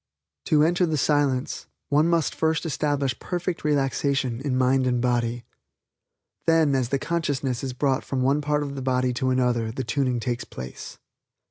To enter the Silence one must first establish perfect relaxation in mind and body. Then as the consciousness is brought from one part of the body to another the tuning takes place.